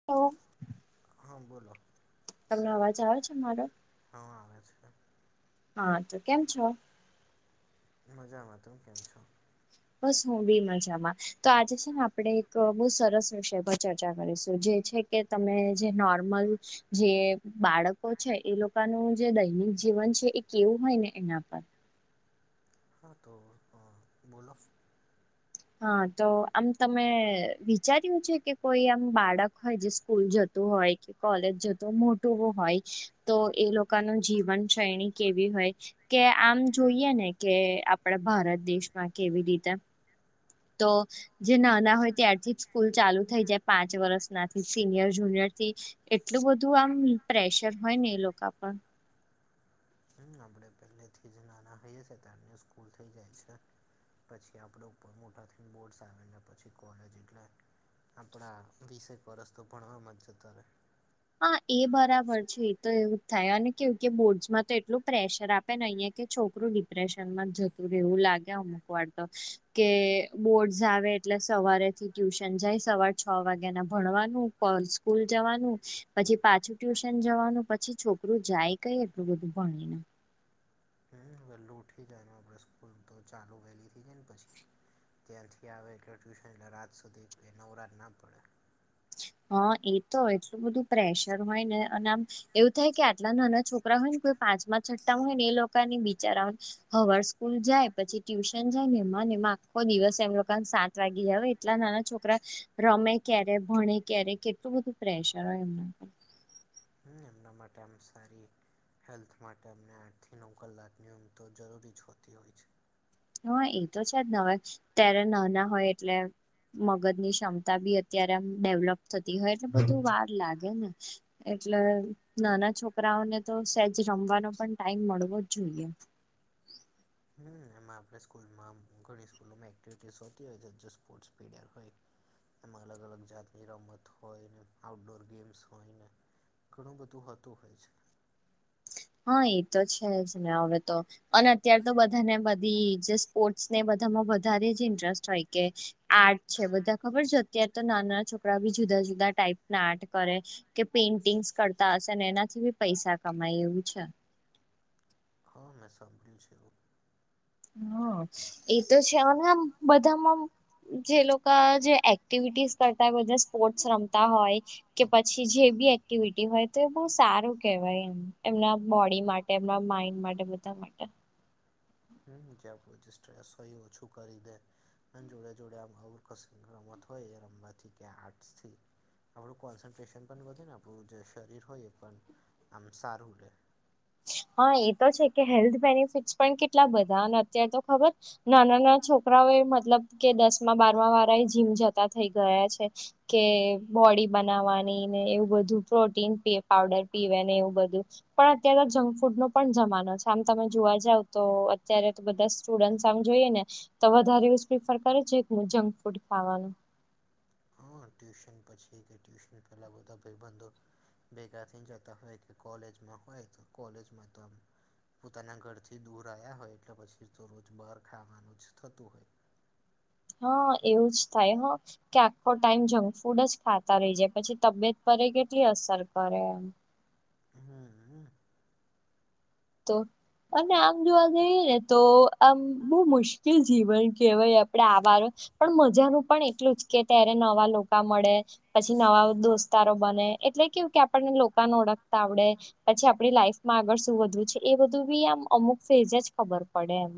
[unintelligible] હા બોલો. તમને અવાજ આવે છે મારો? હ આવે છે. હા તો કેમ છો? મજામાં તમે કેમ છો? બસ હું બી મજામાં તો આજે છે ને આપડે એક બુ સરસ વિષય પર ચર્ચા કરીશું જે છે કે તમે જે નોર્મલ. જે બાળકો છે એ લોકોનું જે દૈનિક જીવન છે એ કેવું હોય ને એના પર. હા તો અ બોલો. હા તો આમ તમે વિચાર્યું છે કે કોઈ એમ બાળક હોય જે સ્કૂલ જતું હોય. કોલેજ જતો મોટું હોય તો એ લોકો ન જીવન શૈણી કેવી હોય. કે આમ જોઈએ ને કે આપડા ભારત દેશમાં કેવી રીતે તો. જે ના ના હોય ત્યારથી જ સ્કૂલ ચાલુ થઈ જાય પાંચ વર્ષનાથી સિનિયર જુનિયરથી. એટલું બધું આમ પ્રેશર હોય ને એ લોકો પર. હમ્મ આપડે પહેલે થી જ નાના હઈએ તાર સ્કૂલ થઈ જાય છે. પછી આપડ ઉપર મોટા થઈ બોર્ડસ આવેને પછી કોલેજ એટલે આપણા વીસેક વરસ તો ભણવામાં જ જતા રહે. હા એ બરાબર છે એ તો એવું જ થાય અને કેવું કે બોર્ડસમાં તો એટલું પ્રેશર આપે પણ અહં કે છોકરું ડિપ્રેશન માં જતું રહેવું લાગે અમુક વાર તો. કે બોર્ડસ આવે એટલે સવારે થી ટ્યુશન જાય સવાર છ વાગ્યા ના ભણવાનું કો સ્કૂલ જવાનું. પછી પાછું ટ્યુશન જવાનું પછી છોકરું જાય કઈ એટલું બધું ભણીને. [unintelligible] લોૂઠી જષપ તો ચાલુ વહેલીથી જાય ને પછી ત્યાંથી આવે એટલે ટ્યુશન એટલે રાત સુધી કો નવરાત ના પડે. હા એ તો એટલું બધું પ્રેશર હોય ને અને આમ એવું થાય કે આટલા નાના છોકરા હોય ને કોઈ પાંચમા છઠ્ઠામાં હોય ને એ લોકોને બિચારાને. હવાર સ્કૂલ જાય પછી ટ્યુશન જાય ને એમાં ને એમાં આખો દિવસ એમ લોકો સ લાગીયા હવે એટલા નાના છોકરા રમે ક્યારે? ભણે ક્યારે કેટલું બધું પ્રેશર હોય એમના પર. હમ્મ એમના માટે આમ સારી. હેલ્થ માટે અમને આઠથી નવ કલાકની ઉમ તો જરૂરી જ હોતી હોય છે. હા એ તો છે જ હવે ત્યારે ન ના હોય એટલે મગજ ની ક્ષમતા બી અત્યારે આમ ડેવલપ થતી હોય એટલે બધું વાર લાગે ને. એટલે નાના છોકરાઓને તો સેજ રમવાનો પણ ટાઈમ મળવો જ જોઈએ. હમ એમાં આપણે સ્કૂલમાં ઘણી સ્કૂલોમાં એક્ટિવિટીસ હોતી હોય છે જે સ્પોર્ટ્સ પીડયર હોય. એમાં અલગ અલગ જાતની રમત હોય ને આઉટડોર ગેમ્સ હોય ને. ઘણું બધું હોતું હોય છે. હા એ તો છે જ ને હવે તો અને અત્યાર તો બધાને બધી જ. સ્પોર્ટસ ને બધામાં વધારે જ ઇન્ટરેસ્ટ હોય કે આર્ટ છે બધા ખબર જ. ક તો નાના નાના છોકરા બી જુદા જુદા ટાઈપ ના આર્ટ કરે. કે પેઇન્ટિંગસ કરતા હશે એનાથી બી પૈસા કમાય એવું છે. હા મેં સાંભળ્યું છે એવુ. હા એતો છે અનેને આમ બધામાં. જે લોકો જે એક્ટિવિટીસ કરતા હોય બધા સ્પોર્ટ્સ રમતા હોય. કે પછી જે બી એક્ટિવિટી હોય તો એ બહુ સારું કેવાય એમ એમના બોડી માટે એમના માઈન્ડ માટે બધા માટે હમ્મ જે પછી સ્ટ્રેસ હોય ઓછું કરી દે. એ જોડે જોડે આમ અવકસ રમત હોય એ રમવાથી કે આર્ટસ થી આપણું કોન્સન્ટ્રેશન પણ વધે ને આપણું જે શરીર હોય એ પણ આમ સારું રેય. હા એ તો છે કે હેલ્થ બેનિફિટસ પણ કેટલા બધા અને અત્યારે તો ખબર નાના નાના છોકરાઓ એ મતલબ કે દસ બારમા વાળા એ જીમ જતા થઇ ગયા છે. કે બોડી બનાવાની ને એવું બધું પ્રોટીન પઉડર પીવે ને એવું બધું પણ અત તો જંક ફૂડ નો પણ જમાનો છે આમ તમે જોવા જાવ તો અત્યારે તો બધા સ્ટુડન્ટ આમ જોઈએ ને તો વધારે એવું પ્રિફર કરે છે જંક ફૂડ ખાવાનું. પણ ટ્યુશન પછી કે ટ્યુશન પહેલાં બધા ભાઈ બંધો. ભેગા થઈ જતા હોય કે કોલેજમાં હોય તો કોલેજમાં તો પોતાના ઘરથી દૂર આવ્યા હોય એટલે પછી તો રોજ બહાર ખાવાનું જ થતું હોય. હા એવું જ થાય હ કે આખો ટાઈમ જંક ફૂડ જ ખાય રહી જાય પછી તબિયત પર એ કેટલી અસર કરે એમ હમ હમ. તો. અને આમ જોવા જઈએ ને તો આમ બહુ મુશ્કેલ જીવન કહેવાય આપણેે આવારો પણ મજાનું પણ એટલું જ કે ત્યારે નવા લોકોકા મળે છે. પછી નવા દોસ્તારો બને એટલે કેવું કે આપણને લોકોને ઓળખતા આવડે પછી આપણી લાઈફમાં આગળ શું વધવું છે એ બધું બી આમ અમુક ફેઝ જ ખબર પડે એમ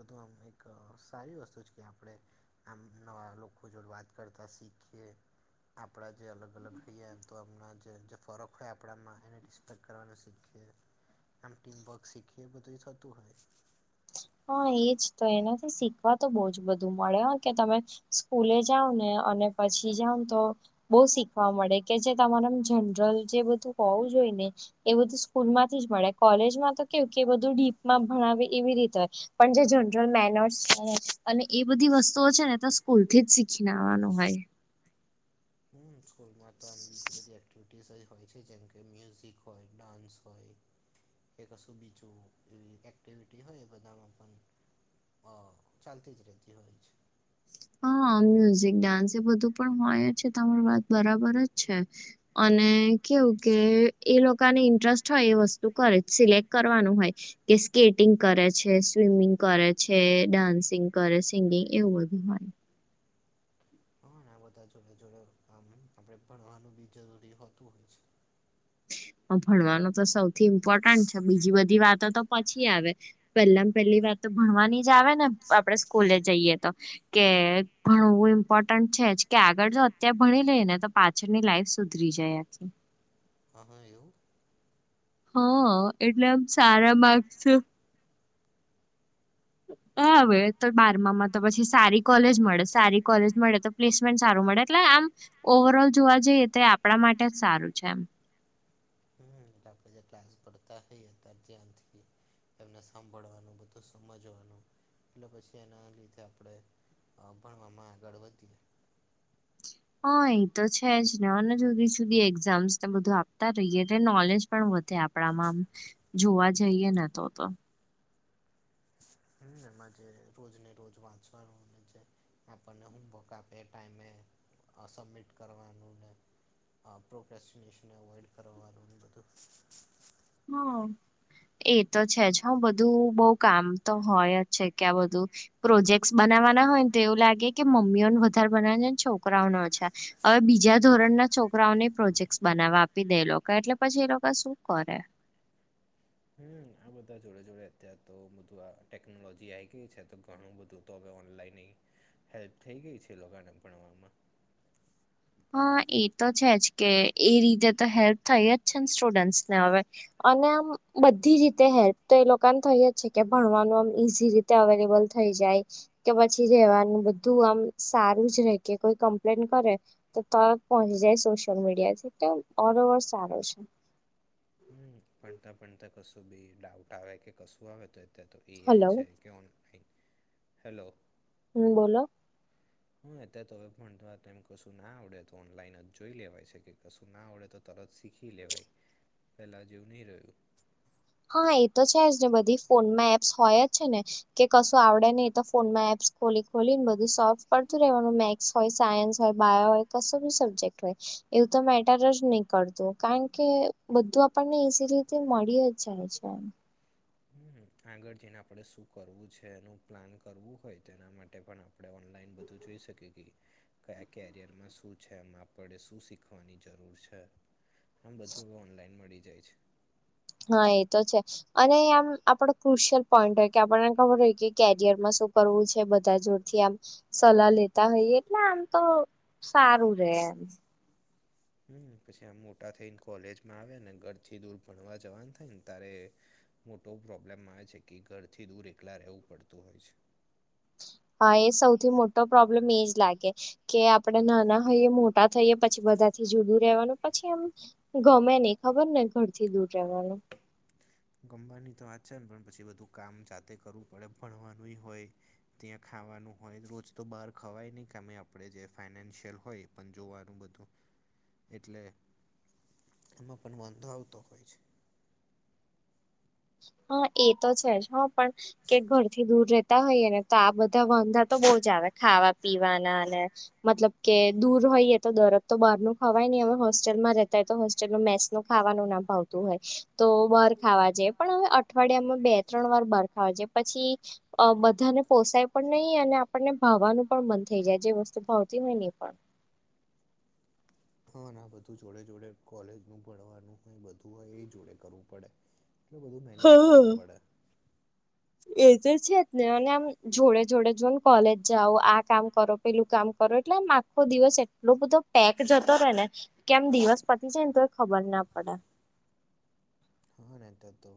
બધું આમ એક સારી વસ્તુ છે કે આપણે. આમ નવા લોકો જોડે વાત કરતા શીખીએ. આપણા જે અલગ અલગ હઈએ એમ તો હમણાં જે જે ફોરક હોય આપણામાં એને ડિસ્પ્લેક કરવાનું શીખીએ. આમ ટીમ બ શીખી એ બધું થતું હોય. હા એજ તો એનાથી શીખવા તો બહ જ બધું મળે કે તમે સ્કૂલે જાાવ ને અને પછી જાવ તો બહુ શીખવા મળે કે જે તમારે જનરલ જે બધું હોવું જોઈ ને એ બધું સ્કૂલ માંથી જ મળે કોલેજમાં તો કેવું કે એ બધું ડીપમાં ભણાવે એવી રીતે પણ જે જનરલ મેનર્સ અને એ બધી વસ્તુઓ છે ને તો સ્કૂલ થી જ શીખીને આવવાનું હોય. હમ સ્કૂલમાં તો આમ બીજી બધી એક્ટિવિટી ડિસઇ હોય છે જેમકે મ્યુઝિક હોય ડાન્સ હોય. કે કશું બીચું એવી એક્ટિવિટી હોય એ બધામાં પણ ઓ ચાલતી જ રતી હોય છે. હા મ્યુઝિક ડાન્સ એ બધું પણ હોય છે તમારી વાત બરાબર જ છે. અને કેવું કે એ લોકોને ઇન્ટરેસ્ટ હોય એ વસ્તુ કરે સિલેક્ટ કરવાનું હોય. કે સ્કેટિંગ કરે છે સ્વિમિંગ કરે છે ડાન્સિંગ કરે સિંગિંગ એવું બધું હોય. હા બધા જોડે જોડે આમ આપણે ભણવાનું બી જરૂરી હોતું હોય છે. હ ભણવાનો તો સૌથી ઇમ્પોર્ટન્ટ છે બીજી બધી વાતો તો પછી આવે પેલા પહેલી વાત તો ભણવાની જ આવે ને આપડે સ્કૂલે જઈએ તો કે ભણું ઇમ્પોર્ટન્ટ છે જ કે આગળ જો અત્યારે ભણી લઈ ને તો પાછ પાછ ની લાઈફ સુધરી જાય આખી. હા હા એવુ. હ એટલે આમ સારા માગ છુ. હ હવે તો બારમામાં તો પછી સારી કોલેજ મળે સારી કોલેજ મળે તો પ્લેસમેન્ટ સારું મળે એટલે આમ ઓવર ઓલ જોવા જઈએ તો આપણા માટે જ સારું છે એમ હમ જે ક્લાસ કરડતા હૈ અતાર ધ્યાથી એમને સાંભળવાનું બધું સમજવાનું એટલે પછી એના લીધે આપણે. ભણવામાં આગણવધી. હા એ તો છે જ ને અને જુદી જુદી એક્ઝામ્સ બધું આપતા રહીએ એટલે નોલેજ પણ વધે આપણામાંમ જોવા જઈએ ન તો તો હમ એમાં જે રોજને રોજ વાંચવાનું જે. આપણને હોુમવર્ક આપે એ ટાઈમે સબમિટ કરવાનું ને આ પ્રોવેેક્સિનેશન અવોઇડ કરવાનું બધું હા. એ તો છે જ હું બધું બઉ કામ તો હોય જ છે કે આ બધું પ્રોજેક્ટસ બનાવવાના હોય ને તો એવું લાગે કે મમ્મીઓને વધારે બનાવને છોકરાઓને ઓછા હવે બીજા ધોરણના છોકરાઓને પ્રોજેક્ટ બનાવવા આપી દે લોકો એટલે પછી એ લોકો શું કરે. હમ આ બધા જોડે જોડે અત્યાર તો બધું આ ટેકનોલોજી આવી ગય છે તો ઘણું બધું. તો હવે ઓનલાઈન એ હેલ્પ થઈ ગઈ છે લોકોને ભણવામાં. હા એ તો છે જ કે એ રીતેે તો હેલ્પ થઈ જ છે ને સ્ટુડન્ટ્સ ને હવે. અને આમ બધી રીતે હેલ્પ તો એ લોકોને થઈ જ છે કે ભણવાનું આમ ઈઝી રીતે અવેલેબલ થઈ જાય કે પછી રેવાનું બધું આમ સારું જ રે કે કોઈ કમ્પ્લેન કરે. તો તરત પહોંચી જાય સોશિયલ મીડિયા થી તો ઓલ ઓવર સારો છે. પણતાં પણતાં કશું બી ડાઉટ આવે કે કશું આવે તો તો એઆઈ હલો છે. કે ઓનઈ હેલો. હમ બોલો. હા અત્યારે તો હવે પણમ કશું ના આવડે તો ઓનલાઈન જ જોઈ લેવાય છે કે કશું ના આવડે તો તરત શીખી લેવાય પહેલાં જેવું નહીં રહ્યું હા એ તો છે જ ને બધી ફોનમાં એપ્સ હોય જ છે ને કે કશું આવડે નહી તો ફોન માં એપ્સ ખોલી ખોલી ને બધું સોફડતું રહેવાનું મે હોય સાયન્સ હોય બાયો હોય કશો બી સબ્જેક્ટ હોય. એવું તો મેટર જ નહી કરતું કારણ કે બધું આપણને ઈઝી રીતે મળી જ અચ્છા અચ્ હ આગળ જઈને આપડે શું કરવું છે એનું પ્લાન કરવું હોય તે એના માટે પણ. આપણે ઓનલાઈન બધું જોઈ શકીએ કે. કયા કેરિયર માં શું છે એમ આપણે શું શીખવાની જરૂર છે. આમ બધું હવે ઓનલાઈન મળી જાય છે. હા એ તો છે અને આમ આપડો ક્રુશિયલ પોઈન્ટ હોય કે આપણને ખબર હોય કે કેરિયર માં શું કરવું છે બધા જોડથી આમ સલાહ લેતા હોઈએ એટલે આમ તો સારું રે એમ હમ પછી આમ મોટા થઈને કોલેજમાં આવ્યાને ઘરથી દૂર ભણવા જવાનું થાય ને તારે મોટો પ્રોબ્લેમ આવે છે કે ઘરથી દૂર એકલા રહેવું પડતું હોય છે. હા એ સૌથી મોટો પ્રોબ્લેમ એજ લાગે કે આપણેે નાના થઈયએ મોટા થઈયએ પછી બધા થી જુદું રેવાનું પછી એમ ગમે નહ ખબર ને ઘરથી દૂર રહેવાનું ગમવાની તો વાત છે ને પણ પછી બધું કામ જાતે કરવું પડે ભણવાનુંય હોય ત્યાં ખાવાનું હોય રોજ તો બહાર ખવાય નહીં કેામે આપણે જે ફાાઈનાન્શિયલ હોય પંજો વારું બધું એટલે એમાં પણ વાંધો આવતો હોય છે. હા એ તો છે જ હા પણ કે ઘરથી દૂર રહેતા હોઈએ ને તો આ બધા વાંધા તો બહુ જ આવે ખાવા પીવાના અને મતલબ કે દૂર હોઈએ તો દરદ તો બહાર ન ખાવાય નહી હવે હોસ્ટેલમાં રહેતા હોય તો હોસ્ટેલમાં મેસ નું ખાવાનું ના ભાવ તો બાર ખાવા જે પણ હવે અઠવાડિયામાં બે ત્રણ વાર બરખાવા છે પછી. અ બધાને પોસાય પણ નહી અને આપણને ભાવવાનું પણ મન થઈ જાય જે વસ્તુ ભાવતી હોય ને એ પણ. હા, અને બધું જોડે જોડે કોલેજનું ભણવાનું હોય, બધું હોય એ જોડે કરવું પડે. એટલું બધું મેનેજ હા કરવું પડે. એ તો છે જ ને, અને આમ જોડે જોડે, જો ને, કોલેજ જાઓ, આ કામ કરો. પેલું કામ કરો એટલે આમ આખો દિવસ એટલો બધો પેક જતો રહેે ને કેમ દિવસ પતી જાય ને તો એ ખબર ના પડે હા નંતર તો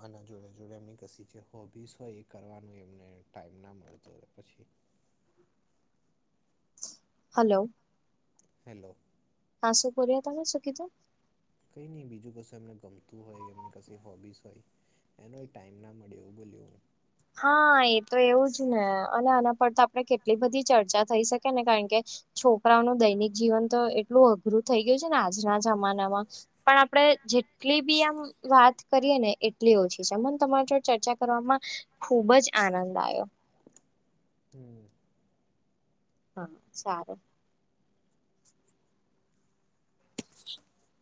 આના જોડે જોડે એમની કશી જે હોબીસ હોય એ કરવાનું એમને ટાઈમ ના મળતોું હોય પછી. હલો. હેલો. આ શું કર્યા? તમે શું કીધું? કઈ નહી, બીજું કશું એમને ગમતું હોય, એમની કઈ, હોબીસ હોય. એનો ટાઈમ ના મળ્યો, બોલ્યું. હા, એ તો એવું જ ને, અને આના પર તો આપણે કેટલી બધી ચર્ચા થઈ શકે ને, કારણ કે છોકરાઓનું દૈનિક જીવન તો એટલું અઘરું થઈ ગયું છે ને, આજના જમાનામાં. પણ, આપડે જેટલી બી આમ વાત કરીએ ને, એટલી ઓછી છે. મન તમારા જોડ ચર્ચા કરવામાં ખૂબ જ આનંદ આવ્યો હમ. હા, સારું. [unintelligible]